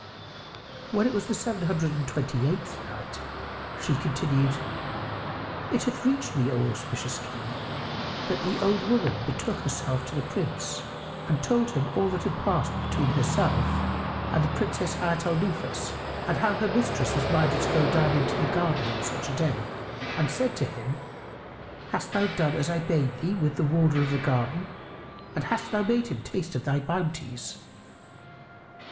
When it was the Seven Hundred and Twenty eighth Night, She continued, It hath reached me, O auspicious King, that the old woman betook herself to the Prince and told him all that had passed between herself and the Princess Hayat al Nufus; and how her mistress was minded to go down into the garden on such a day and said to him, "Hast thou done as I bade thee with the Warder of the garden and hast thou made him taste of thy bounties?"